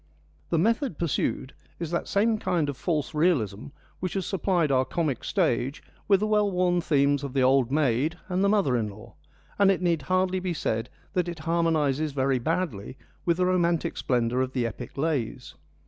The method pursued is that same kind of false realism which has supplied our comic stage with the well worn themes of the old maid and the mother in law, and it need hardly be said that it harmonises very badly with the romantic splendour of the epic lays.